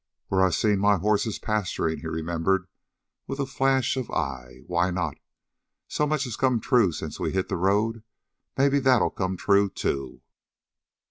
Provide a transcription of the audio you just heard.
"Where I seen my horses pasturin'," he remembered, with a flash of eye. "Why not? So much has come true since we hit the road, maybe that'll come true, too.